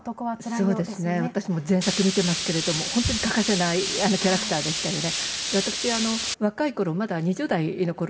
そうですね、私も全作見ていますけれども、本当に欠かせないキャラクターでしたよね。